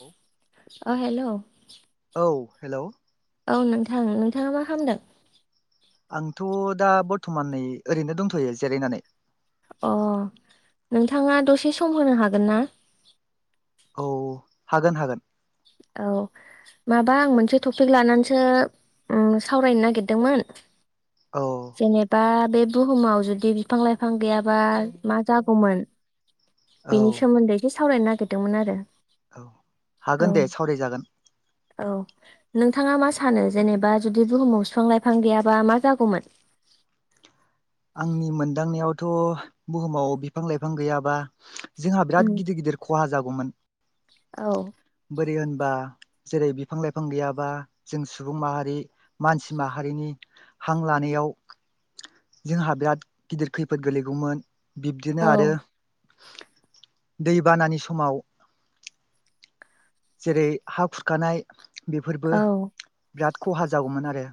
औ अ हेल' हेल'। औ नोंथां -नोंथाङा मा खालामदों? आंथ' दा बर्थमानै ओरैनो दंथ'यो जिरायनानै। अ नोंथाङा दसे सम होनो हागोन ना? औ हागोन- हागोन। औ माबा आं मोनसे टपिक लानानैसो सावरायनो नागिरदोंमोन। औ जेनेबा बे बुहुमाव जुदि बिफां- लाइफां गैयाबा मा जागौमोन? औ बेनि सोमोन्दै एसे सावरायनो नागिरदोंमोन आरो। औ औ हागोन दे सावरायजागोन। औ नोंथाङा मा सानो जेनेबा जुदि बुहुमाव बिफां -लाइफां गैयाबा मा जागौमोन? [inaudible] आंनि मोनदांनायावथ' बुहुमाव बिफां लाइफां गैयाबा जोंहा उम बिराद गिदिर गिदिर खहा जागौमोन औ बोरै होनबा जेरै बिफां लाइफां गैयाबा जों सुबुं माहारि मानसि माहारिनि हां लानायाव [inaudible] जोंहा बिराद गिदिर खैफोद गोलैगौमोन बिब्दिनो आरो औ दै बानानि समाव जेरै हा खुरखानाय बेफोरबो औ बिराद खहा जागौमोन आरो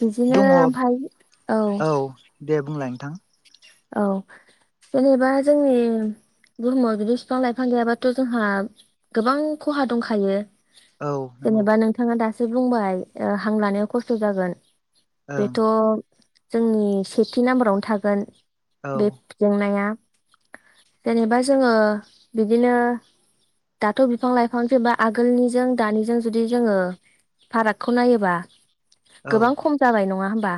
बिदिनो दङ ओमफाय औ दे बुंलाय नोंथां औ जेनेबा जोंनि बुहुमाव जुदि बिफां लाइफां गैयाबाथ' जोंहा गोबां खहा दंखायो। औ नंगौ जेनेबा नोंथाङा दासो बुंबाय हां लानायाव खस्थ' जागोन ओं बेथ' जोंनि सेथि नाम्बारावनो थागोन औ बे जेंनाया जेनेबा जोङो बिदिनो दाथ' बिफां लाइफांसैबा आगोलनिजों दानिजों जुदि जोङो फारागखौ नायोबा औ गोबां खम जाबाय नङा होमबा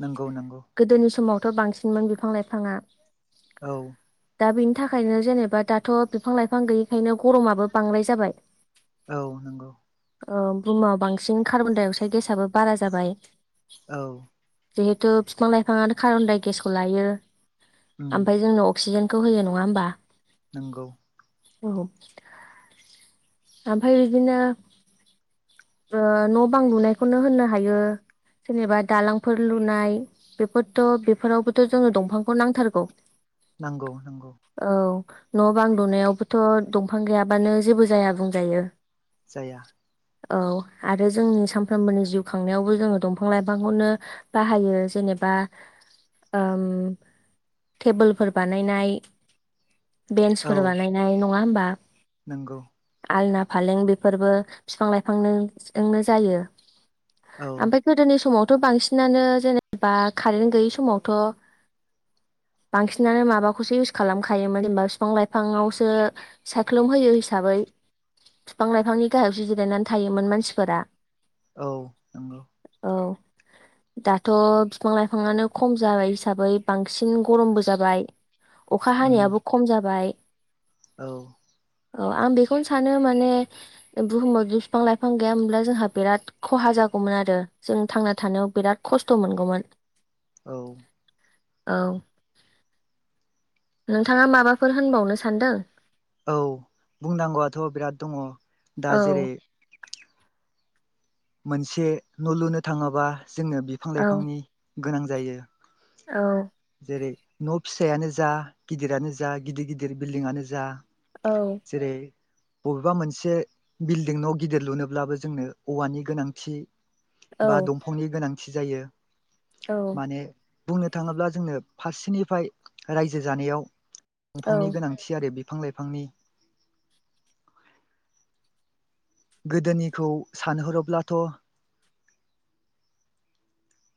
नंगौ नंगौ थ' बांसिनमोन बिफां लाइफाङा औ दा बिनि थाखायनो जेनेबा दाथ' बिफां लाइफां गैयिखायनो गरमाबो बांद्राय जाबाय। औ नंगौ बुहुमाव बांसिन कार्बन डाइ अक्साइद गेसाबो बारा जाबाय औ जिहेथु बिफां लाइफाङआनो खारबनदाय गेसखौ लायो उम ओमफ्राय जोंनो अक्सिजेनखौ होयो नङा होमबा नंगौ औ ओमफ्राय बिदिनो न' बां लुनायखौनो होननो हायो। जेनेबा दालांफोर लुनाय बेफोरथ' बेफोरावबोथ' जोंङो दंफांखौ नांथारगौ। नांगौ नंगौ औ न' बां लुनायावबोथ' दंफां गैयाबानो जेबो जाया बुंजायो। जाया औ आरो जोंनि सानफ्रोमबोनि जिउ खांनायाव एबा ओम तेबोलफोर बेन्सफोर बानायनाय नङा होमबा। नोंगौ आलना फालें बेफोरबो बिफां लाइफांजोंनो जायो। औ आफ्राय थ' जोंनि समथ थ' बांसिनानो जेनेबा कारेन्ट गैयि समावथ' बांसिनानो माबाखौसो इउस खालामखायोमोन जेनेबा बिफां लाइफाङावसो सायख्लुम होयो हिसाबै। बिफां लाइफांनि गाहायावसो जिरायनानै थायोमोन मानसिफोरा औ नंगौ [inaudible] दाथ' बिफां लाइफाङानो खम जाबाय हिसाबै बांसिन गरमबो जाबाय। अखा उम हानायाबो खम जाबाय। औ अ आं बेखौ सानो माने बुहुमाव बि बिफां लाइफां गैयामोनब्ला जोंहा बिराद खहा जागौमोन आरो। जों थांना थानायाव बिराद खस्थ मोनगौमोन औ औ नोंथाङा माबाफोर होनबावनो सानदों औ बुंनांगौआथ बिराद दङ दा औ जेरै मोनसे नलुनो थाङोबा जोंनो बिफां औ लाइफांनि गोनां जायो। औ जेरै नफिसायानो जा गिदिरानो जा गिदिर गिदिर बिल्डिंआनो जा औ जेरै बबेबा मोनसे बिल्डिं नाव गिदिर लुनोब्लाबो जोंनो औवानि गोनांथि बा औ दंफांनि गोनांथि जायो औ माने बुंनो थाङोब्ला जोंनो फारसेनिफ्राय रायजो जानायाव दंफांनि औ गोनांथि आरो बे बिफां लाइफांनि गोदोनिखौ सानहरोब्लाथ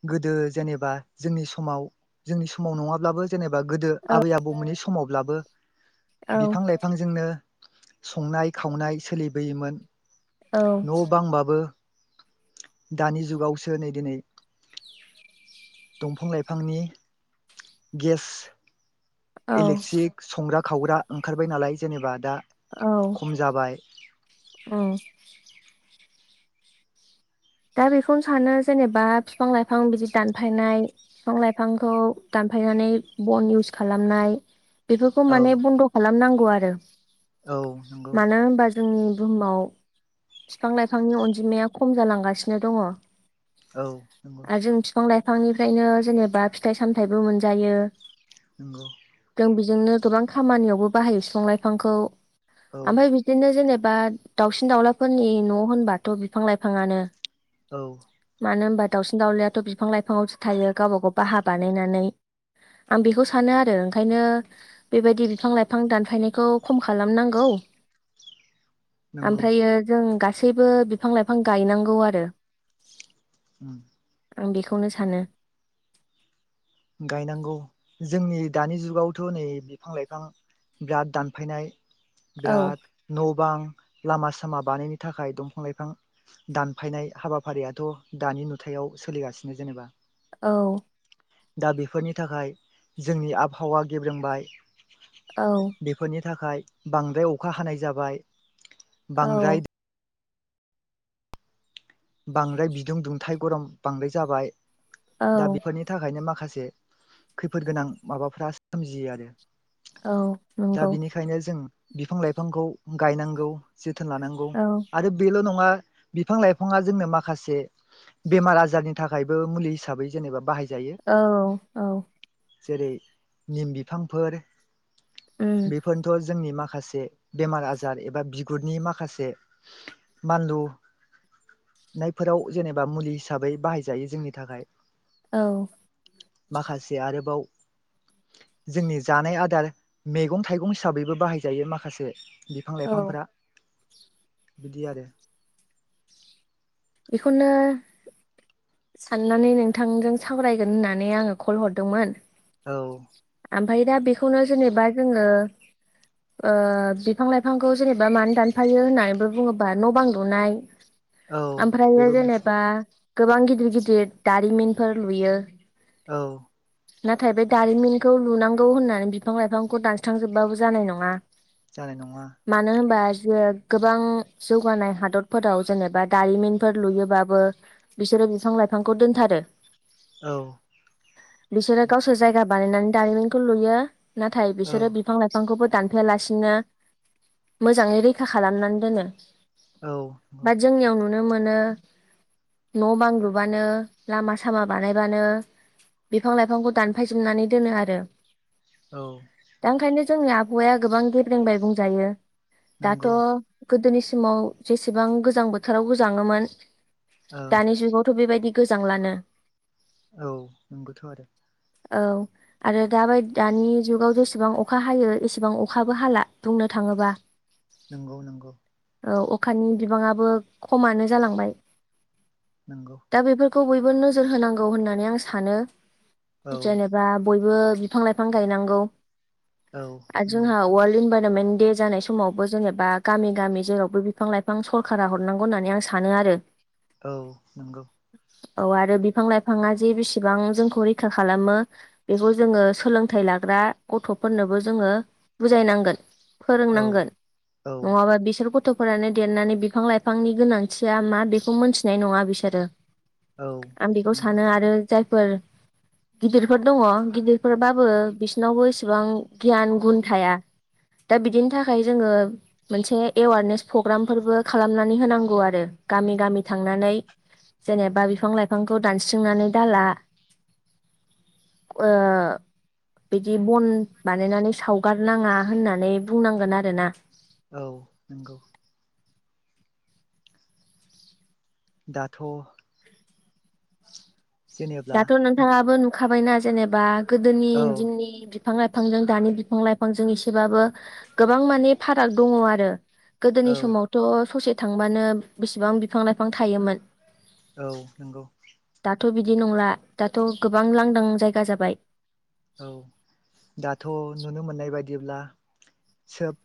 गोदो जेनेबा जोंनि समाव जोंनि समाव नङाब्लाबो जेनेबा गोदो आबै आबौमोननि समावब्लाबो औ बिफां लाइफांजोंनो संनाय खावनाय सोलिबोयोमोन न बांबाबो दानि जुगावसो नै दिनै दंफां लाइफांनि गेस औ इलेक्ट्रिक संग्रा खावग्रा ओंखारबाय नालाय जेनेबा दा औ खम जाबाय औ दा बेखौनो सानो जेनेबा बिफां लाइफां बिदि दानफायनाय बिफां लाइफांखौ दा फायनानै बन इउस खालामनाय बेफोरखौ औ माने बन्द खालामनांगौ आरो औ नंगौ मानो होनबा जोंनि बुहुमाव बिफां लाइफांनि अनजिमाया खम जालांगासिनो दङ औ नंगौ। बिफांनिफ्रायनो जेनेबा फिथाइ सामथायाइबो मोनजायो। हमग [unintelligible] जों बिजोंनो दुथां खामानियावबो बाहायो बिफां लायफांखौ औ आमफाराय बिदिनो जेनेबा बा दाउसिन दाउलाफोरनि न होनबाथ बिफां लाइफाङानो औ। मानो होनबा दावउसिन दावउलाथ बिफां लाइफांसो थायो गावबा गाव बाहा बानायनानै आं बेखौ सानो आरो ओंखायनो बेबायदि बिफां लाइफां दानफायनायखौ खम खालामनांगौ नंगौ ओमफ्रायो जों गासैबो बिफां लाइफां गायनांगौ आरो उ। आं बेखौनो सानो गायनांगौ जोंनि दानि जुगावथ नै बिफां लाइफां बिराद दानफायनाय औ बिराद न बां लामा सामा बानायनो थाखाय दंफां लाइफां दानफायनाय हाबाफारियाथ दानि नुथायाव सोलिगासिनो जेनेबा औ। दा बेफोरनि थाखाय जोंनि आबहावा गेब्रोंबाय औ। बेफोरनि थाखाय बांद्राय अखा हानाय जाबाय औ बांद्राय बांद्राय बिदुं दुंथाइ गरम बांद्राय जाबाय औ दा बेफोरनि थाखायनो माखासे माखासे खैफोद गोनां माबाफ्रा सोमजियो आरो दा नंगौ बेनिखायनो जों बिफां लाइफांखौ गायनांगौ जोथोन लानांगौ औ आरो बेल'नङा बिफां लाइफां बिफांया जोंनो माखसे बेमार आजारनि थाखाय मुलि है जेनेबा बाय औ औ। जेरै निम बिफांफोर उम बेफोरनोथ जोंनि माखासे माखासे बेमार आजार एबा बिगुरनि माखासे मानलु नायफोराव जेनेबा मुलि हिसाबै बाहायजायो जोंनि थाखाय औ माखासे आरोबाव जोंनि जानाय आदार मैगं थाइगं हिसाबैबो बाहायजायो माखासे बिफां औ लाइफांफोरा बिदि आरो खनो [unintelligible] साननानै नोंथांजों सावरायगोन होननानै आङो कल हरदोंमोन औ ओमफ्राय दा बेखौनो जेनेबा जोङो ओ बिफां लाइफांखौ जेनेबा मानो दानफायो होननानैबो बुङोबा न' बां लुनाय औ ओमफ्राय बेबो मोनसे जेनेबा गोबां गिदिर गिदिर दारिमिनफोर लुयो औ नाथाय बे दारिमिनखौ लुनांगौ होननानै बिफां लाइफांखौ दानस्रांजोबबाबो जानाय नङा जानाय नङा मानो होनबा जे गोबां जौगानाय हादरफोराव जेनेबा दारिमिनफोर लुयोबाबो बिसोरो बिफां लाइफांखौ दोनथारो औ बिसोरो गावसोर जायगा बानायनानै दारिमिनखौ लुयो नाथाय औ बिसोरो बिफां लाइफांखौबो दानफायालासिनो मोजाङै रैखा खालामनानै दोनो औ औ बा जोंनियाव नुनो मोनो न' बां लुबानो लामा सामा बानायबानो बिफां लाइफांखौ दानफायजोबनानै दोनो आरो औ दा ओंखायनो जोंनि आबहाया गोबां गेब्रेंबाय बुंजायो दाथ' नंगौ गोदोनि समाव जेसेबां गोजां बोथोराव गोजाङोमोन औ नंगौ दानि जुगावथ' बेबायदि गोजां लानो औ नोंगौथ' आरो औ आरो दाबायदि दानि जुगाव जेसेबां अखा हायो एसेबां अखाबो हाला बुंनो थाङोबा नंगौ नंगौ औ अखानि बिबाङाबो खमानो जालांबाय। नंगौ। खौ बयबो नोजोर होनांगौ होननानै आं सानो औ जेनेबा बयबो बिफां लाइफां गायनांगौ औ जों नंगौ इनभरमेन्थ दे जानाय समावबो जेनेबा गामि गामि जेरावबो बिफां लाइफां सरका हर हरनांगौ होननानै आं सानो आरो औ नंगौ औ आरो बिफां लाइफाङा जे बिसेबां जोंखौ रैखा खालामो बेखौ जोङो सोलोंथाइ लाग्रा गथ'फोरनोबो जोङो बुजायनांगोन औ फोरोंनांगोन औ नङाबा बिसोर गथ'फोरानो देरनानै बिफां लाइफां बिफांनि गोनांथिया मा बेखौ मोनथिनाय नङा बिसोरो औ आं बेखौ नंगौ सानो आरो जायफोर गिदिरफोर दङ गिदिरफोरबाबो बिसिनावबो इसेबां गियान गुन थाया। दा बिदिनि थाखाय जोङो मोनसे एवारनेस प्रग्रामफोरबो खालामनानै नानै होनांगौ आरो गामि गामि थांनानै जेनेबा बिफां लाइफांखौ दानस्रिांनानै दाला। ओ। बिदि बन बानायनानै सावगारनाङा होननानै बुंनांगोन आरोना औ नंगौ दाथ' जेनेब्ला दाथ' नोंथाङाबो नुखाबायना जेनेबा गोदोनि औ दिननि बिफां लाइफांजों दानि बिफां लाइफांजों एसेबाबो गोबां माने फाराग दङ आरो। गोदोनि औ समावथ' ससे थांबानो बेसेबां बिफां लाइफां थायोमोन। औ नंगौ थ' बिदि नंला दाथ' गोबां लांदां जायगा जाबाय। औ दाथ' नुनो मोननाय बायदिब्ला सोब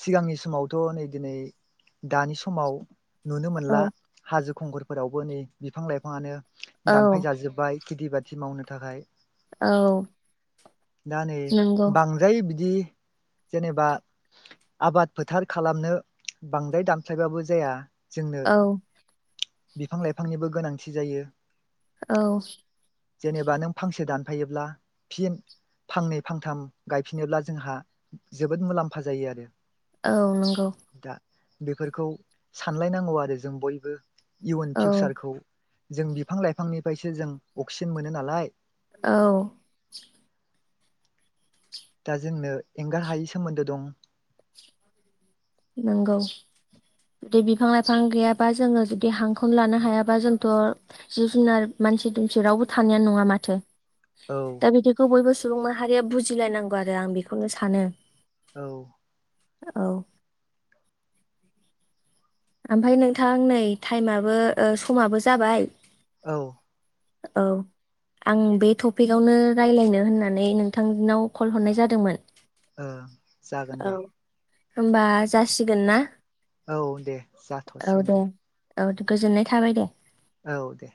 सिगांनि समावथ' नै दिनै दानि समाव नुनो औ मोनला हाजो खंखरफोरावबो नै बिफां लाइफाङानो औ दानफाय जाजोब्बाय खिथि बाथि मावनो थाखाय औ दा नै नंगौ बांद्राय बिदि जेनेबा आबाद फोथार खालामनो बांद्राय दानफायबाबो जाया जोंनो औ बिफां लाइफांनिबो गोनांथि जायो औ जेनेबा नों फांसे दानफायोब्ला फिन फांनै फांथाम गायफिनोब्ला जोंहा जोबोद मुलाम्फा जायो आरो औ नंगौ दा बेफोरखौ सानलायनांगौ आरो जों बयबो इउन औ फिउसारखौ जों बिफां लाइफांनिफ्रायसो जों अक्सिजेन मोनो नालाय औ दा जोंनो एंगार हायै सोमोन्दो दं नोंगौ दि बिफां लाइफां गैयाबा जोङो जुदि हांखौनो लानो हायाबा जोंथ' जिब जुनार मानसि दुमसि रावबो थानायानो नङा माथो औ दा बिदिखौ बयबो सुबुं माहारिया बुजिलायनांगौ आरो आं बेखौनो सानो औ औ। ओमफ्राय नोंथां नै टाइमाबो ओ समाबो जाबाय औ। औ आं बे टपिकआवनो रायलायनो होननानै नोंथांनाव कल हरनाय जादोंमोन ओ जागोन दे औ होमबा जासिगोन ना औ दे जाथ'सिगोन दे औ गोजोननाय थाबाय दे औ दे